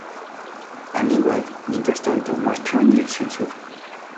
Aníbal, mientras tanto, marchó en dirección sur.